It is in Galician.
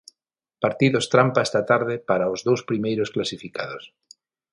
Partidos trampa esta tarde para os dous primeiros clasificados.